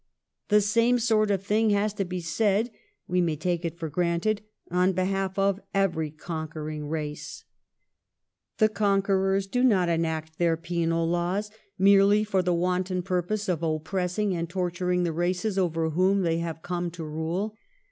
The same sort of thing has to be said, we may take it for granted, on behalf of every conquer ing race. The conquerors do not enact their penal laws merely for the wanton purpose of oppressing and torturing the races over whom they have come to rule.